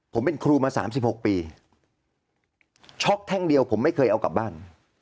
ผมเป็นครูมา๓๖ปีช็อกแท่งเดียวผมไม่เคยเอากลับบ้าน